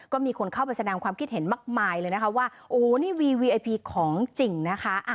ก็มีคนเข้าไปแสดงความคิดเห็นมากมายเลยนะคะว่าโอ้นี่วีวีไอพีของจริงนะคะ